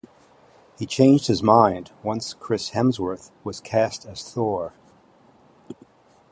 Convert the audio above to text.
He changed his mind once Chris Hemsworth was cast as Thor.